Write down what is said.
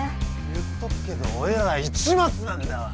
言っとくけど俺ら市松なんだわ！